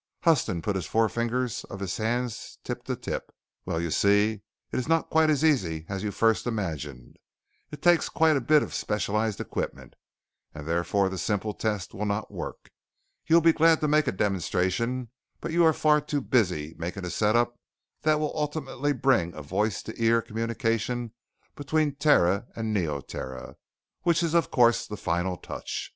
Huston put the forefingers of his hands tip to tip. "Well, you see, it is not quite as easy as you first imagined. It takes quite a bit of specialized equipment, and therefore the simple test will not work. You'd be glad to make a demonstration, but you are far too busy making a set up that will ultimately bring a voice to ear communication between Terra and Neoterra, which is of course, the final touch.